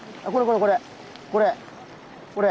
これこれこれ。